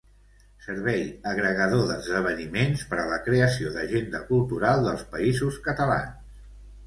Servei agregador d'esdeveniments per a la creació d'agenda cultural dels Països Catalans.